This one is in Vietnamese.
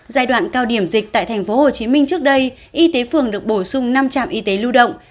giai đoạn cao điểm dịch tại tp hcm trước đây y tế phường được bổ sung năm trạm y tế lưu động